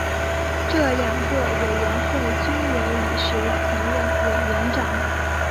这两个委员会均由李石曾任委员长。